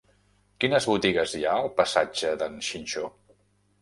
Quines botigues hi ha al passatge d'en Xinxó?